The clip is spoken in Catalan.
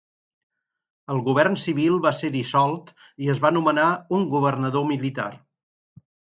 El govern civil va ser dissolt i es va nomenar un governador militar.